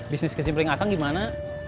bisnis kesimplengan kang gimana